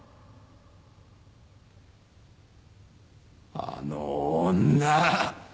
あの女。